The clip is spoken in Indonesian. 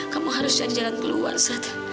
kamu harus janjalan keluar saat